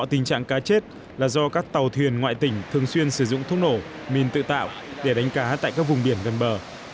tình trạng cá chết là do các tàu thuyền ngoại tỉnh thường xuyên sử dụng thuốc nổ mìn tự tạo để đánh cá tại các vùng biển gần bờ